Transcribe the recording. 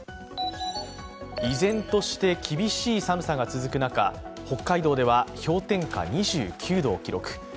依然として厳しい寒さが続く中、北海道では、氷点下２９度を記録。